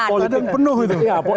oke itu harapan